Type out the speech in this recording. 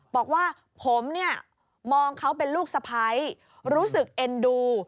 บอกว่าผมเนี่ยมองเขาเป็นลูกสะพ้ายรู้สึกเอ็นดู